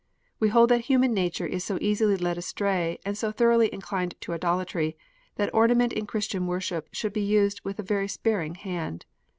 We hold that human nature is so easily led astray, and so thoroughly inclined to idolatry, that ornament in Christian worship should be used with a very sparing hand.